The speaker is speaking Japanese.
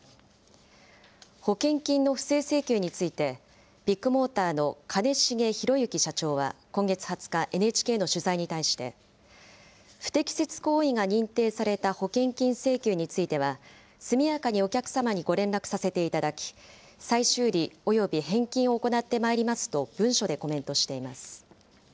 保険金の不正請求について、ビッグモーターの兼重宏行社長は今月２０日、ＮＨＫの取材に対して、不適切行為が認定された保険金請求については、速やかにお客様にご連絡させていただき、再修理および返金を行ってまいりますと、文書でコメントしています。